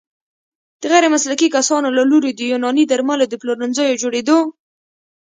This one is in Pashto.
د غیرمسلکي کسانو له لوري د يوناني درملو د پلورنځيو جوړیدو